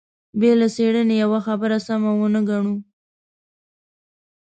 بې له څېړنې يوه خبره سمه ونه ګڼو.